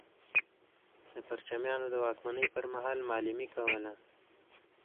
د پرچمیانو د واکمنۍ پر مهال معلمي کوله.